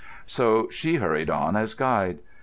So she hurried on as guide.